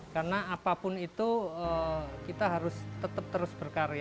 karena apapun itu kita harus tetap terus berkarya